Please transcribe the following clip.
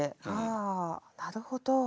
あなるほど。